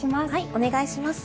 お願いします。